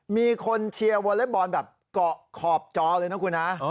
มีคนเชียร์วอเล็กบอลแบบเกาะขอบจอเลยนะคุณฮะ